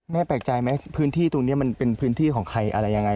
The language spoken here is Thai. แปลกใจไหมพื้นที่ตรงนี้มันเป็นพื้นที่ของใครอะไรยังไง